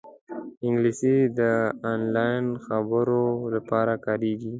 انګلیسي د آنلاین خبرو لپاره کارېږي